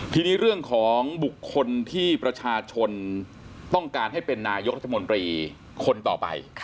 ทีนี้เรื่องของบุคคลที่ประชาชนต้องการให้เป็นนายกรัฐมนตรีคนต่อไป